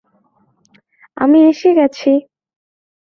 আমি এসে গেছি।